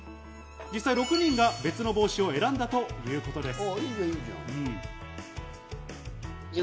実際、６人が別の帽子を選んだということです。